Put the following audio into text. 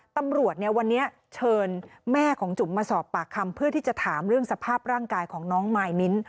ตำรวจเนี่ยวันนี้เชิญแม่ของจุ๋มมาสอบปากคำเพื่อที่จะถามเรื่องสภาพร่างกายของน้องมายมิ้น